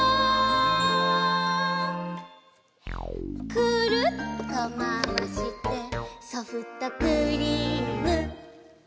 「くるっとまわしてソフトクリーム」